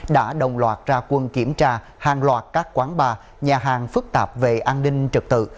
đã đồng loạt ra quân kiểm tra hàng loạt các quán bar nhà hàng phức tạp về an ninh trật tự